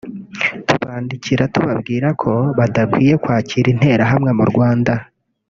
tubandikira tubabwira ko badakwiye kwakira interahamwe mu Rwanda